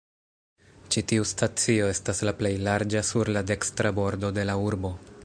Ĉi tiu stacio estas la plej larĝa sur la dekstra bordo de la urbo.